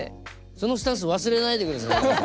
そのスタンス忘れないでくださいね。